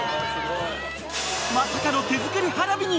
まさかの手作り花火に。